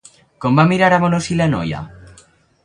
Com va mirar a Bonossi la noia?